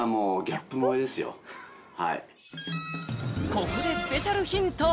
ここでスペシャルヒント